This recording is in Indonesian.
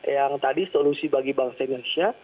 yang tadi solusi bagi bangsa indonesia